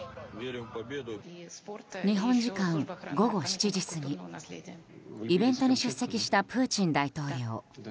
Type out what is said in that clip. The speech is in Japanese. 日本時間午後７時過ぎイベントに出席したプーチン大統領。